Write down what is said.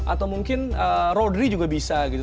atau mungkin rodri juga bisa gitu